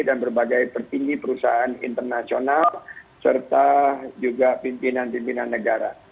dan berbagai petinggi perusahaan internasional serta juga pimpinan pimpinan negara